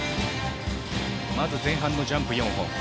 まず前半のジャンプ４本。